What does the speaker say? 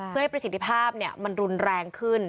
เพื่อให้ประสิทธิภาพมันรุนแรงขึ้น